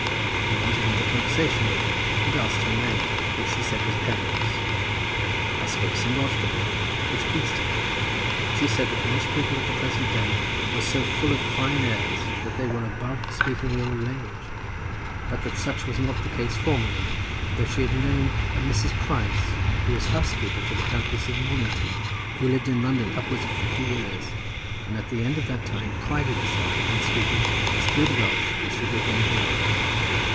We entered into conversation with her, and asked her name, which she said was Evans. I spoke some Welsh to her, which pleased her. She said that Welsh people at the present day were so full of fine airs that they were above speaking the old language—but that such was not the case formerly, and that she had known a Mrs. Price, who was housekeeper to the Countess of Mornington, who lived in London upwards of forty years, and at the end of that time prided herself upon speaking as good Welsh as she did when a girl.